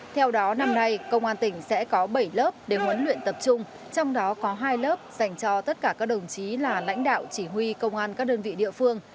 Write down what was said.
theo đó năm nay công an tỉnh sẽ có bảy lớp để huấn luyện tập trung trong đó có hai lớp dành cho tất cả các đồng chí là lãnh đạo chỉ huy công an các đơn vị địa phương